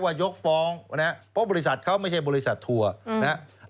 ยกฟ้องนะครับเพราะบริษัทเขาไม่ใช่บริษัททัวร์นะครับ